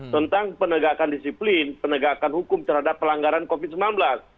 tentang penegakan disiplin penegakan hukum terhadap pelanggaran covid sembilan belas